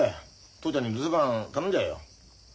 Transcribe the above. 父ちゃんに留守番頼んじゃえよ。